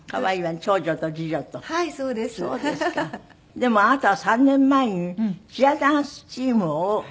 でもあなたは３年前にチアダンスチームを作って。